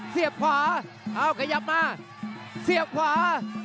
เสียบขวาเอ้าขยับมาเสียบขวา